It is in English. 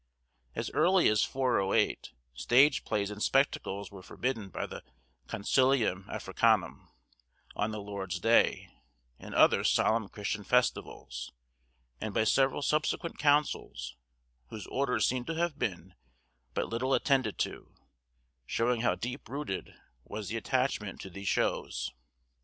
As early as 408 stage plays and spectacles were forbidden by the Concilium Africanum, on the Lord's day, and other solemn Christian festivals, and by several subsequent councils, whose orders seem to have been but little attended to, showing how deep rooted was the attachment to these shows.